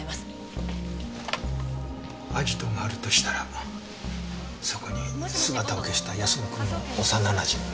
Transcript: アジトがあるとしたらそこに姿を消した泰乃君の幼なじみも。